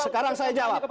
sekarang saya jawab